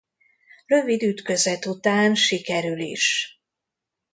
Rövid ütközet után sikerül is.